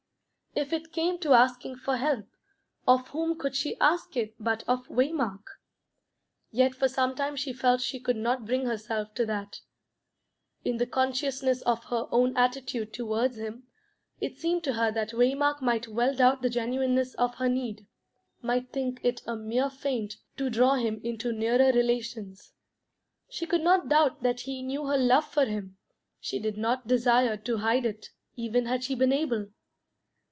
If it came to asking for help, of whom could she ask it but of Waymark? Yet for some time she felt she could not bring herself to that. In the consciousness of her own attitude towards him, it seemed to her that Waymark might well doubt the genuineness of her need, might think it a mere feint to draw him into nearer relations. She could not doubt that he knew her love for him; she did not desire to hide it, even had she been able.